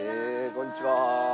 こんにちは。